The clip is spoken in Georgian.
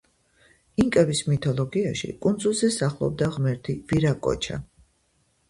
ინკების მითოლოგიაში, კუნძულზე სახლობდა ღმერთი ვირაკოჩა.